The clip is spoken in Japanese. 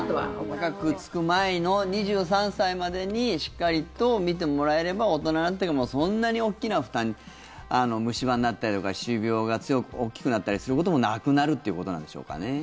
高くつく前の２３歳までにしっかりと診てもらえれば大人になってもそんなに大きな負担虫歯になったりとか、歯周病が大きくなったりすることもなくなるということなんでしょうかね。